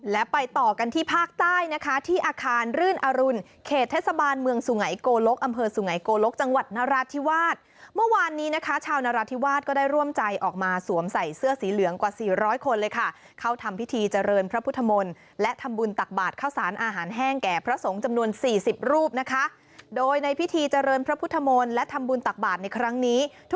แล้วไปต่อกันที่ภาคใต้นะคะที่อาคารรื่นอรุณเขตเทศบาลเมืองสุไงโกลกอำเภอสุไงโกลกจังหวัดนราธิวาสเมื่อวานนี้นะคะชาวนราธิวาสก็ได้ร่วมใจออกมาสวมใส่เสื้อสีเหลืองกว่า๔๐๐คนเลยค่ะเข้าทำพิธีเจริญพระพุทธมลและทำบุญตักบาทข้าวสารอาหารแห้งแก่พระสงค์จำนวน๔๐รูปนะคะโดยในพิธ